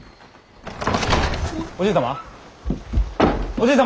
おじい様？